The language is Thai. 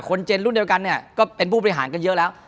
เจนรุ่นเดียวกันเนี่ยก็เป็นผู้บริหารกันเยอะแล้ว